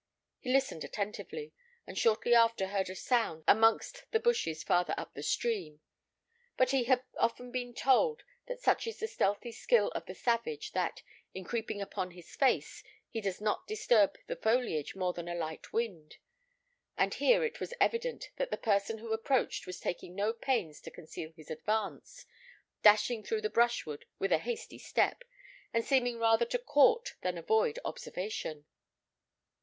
He listened attentively, and shortly after heard a sound amongst the bushes farther up the stream. But he had often been told that such is the stealthy skill of the savage that, in creeping upon his face, he does not disturb the foliage more than a light wind, and here it was evident that the person who approached was taking no pains to conceal his advance, dashing through the brushwood with a hasty step, and seeming rather to court than avoid observation.